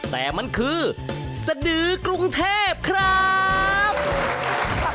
แต่มันคือสดือกรุงเทพครับ